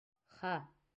Ха!